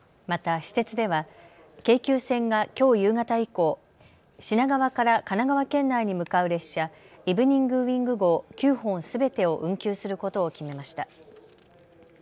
また私鉄では京急線がきょう夕方以降、品川から神奈川県内に向かう列車、イブニング・ウィング号９本すべてを運休することを決めました。